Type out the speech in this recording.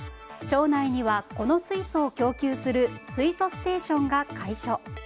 町内にはこの水素を供給する水素ステーションが開所。